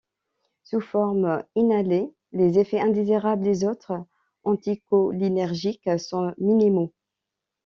Sous forme inhalée, les effets indésirables des autres anticholinergiques sont minimaux.